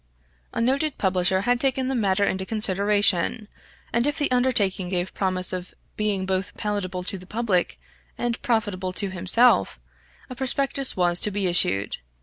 A noted publisher had taken the matter into consideration, and if the undertaking gave promise of being both palatable to the public, and profitable to himself, a prospectus was to be issued.